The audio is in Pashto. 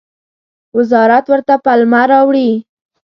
وزارت ورته پلمه راوړي.